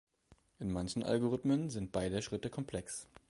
In manchen Algorithmen sind beide Schritte komplex.